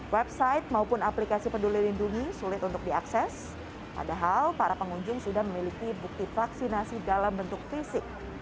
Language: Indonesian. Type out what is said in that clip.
website maupun aplikasi peduli lindungi sulit untuk diakses padahal para pengunjung sudah memiliki bukti vaksinasi dalam bentuk fisik